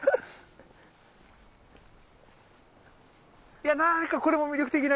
いや何かこれも魅力的な切り株の。